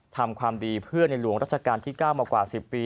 ทำความดีเพื่อในหลวงรัชกาลที่๙มากว่า๑๐ปี